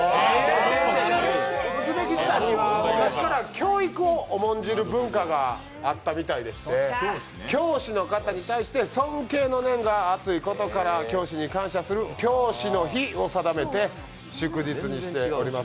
ウズベキスタンには昔から教育を重んじる文化があって教師の方に対して尊敬の念が厚いことから教師に感謝する、教師の日を定めて祝日にしております。